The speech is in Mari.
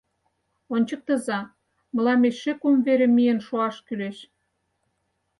— Ончыктыза, мылам эше кум вере миен шуаш кӱлеш.